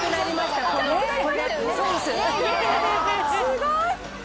すごい！